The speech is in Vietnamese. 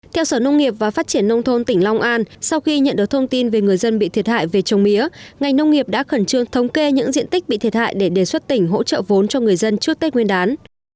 theo sở nông nghiệp và phát triển nông thôn tỉnh long an sau khi nhận được thông tin về người dân bị thiệt hại về trồng mía ngành nông nghiệp đã khẩn trương thống kê những diện tích bị thiệt hại để đề xuất tỉnh hỗ trợ vốn cho người dân trước tết nguyên đán